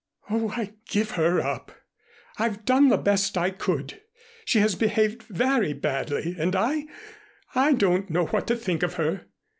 "Oh, I give her up. I've done the best I could. She has behaved very badly and I I don't know what to think of her."